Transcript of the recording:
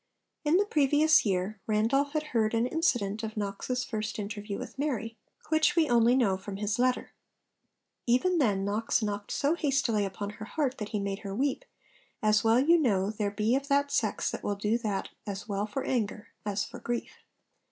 In the previous year Randolph had heard an incident of Knox's first interview with Mary, which we only know from his letter. Even then Knox 'knocked so hastily upon her heart that he made her weep, as well you know there be of that sex that will do that as well for anger as for grief.'